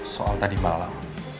soal tadi malam